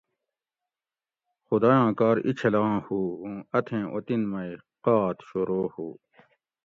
خدایاں کار اینچھلاں ہو اوں اتھیں وطن مئی قحط شروع ہو